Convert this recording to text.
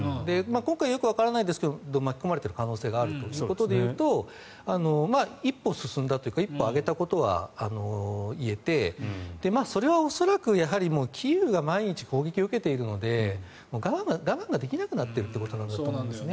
今回よくわからないですが巻き込まれている可能性があるということでいうと一歩進んだというか一歩上げたことは言えてそれは恐らくキーウが毎日攻撃を受けているので我慢ができなくなってるということだと思います。